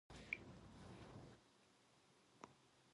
서두르세요.